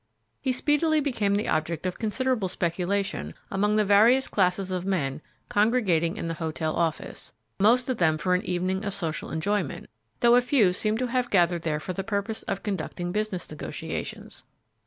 He speedily became the subject of considerable speculation among the various classes of men congregating in the hotel office, most of them for an evening of social enjoyment, though a few seemed to have gathered there for the purpose of conducting business negotiations.